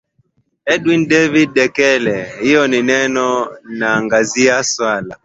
edwin david dekele hii leo anaangazia swala